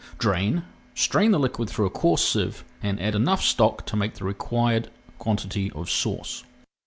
Drain, strain the liquid through a coarse sieve, and add enough stock to make the required quantity of sauce.